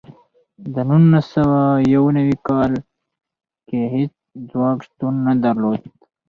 د نولس سوه یو نوي کال کې هېڅ ځواک شتون نه درلود.